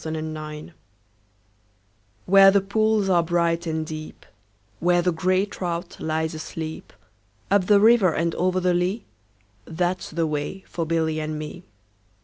A Boy's Song WHERE the pools are bright and deep, Where the grey trout lies asleep, Up the river and over the lea, That 's the way for Billy and me.